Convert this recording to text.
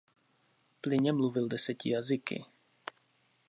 Plynně mluvil deseti jazyky.